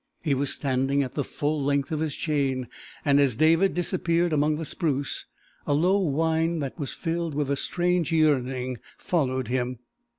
He was standing at the full length of his chain, and as David disappeared among the spruce a low whine that was filled with a strange yearning followed him.